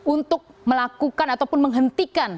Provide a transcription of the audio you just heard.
untuk melakukan ataupun menghentikan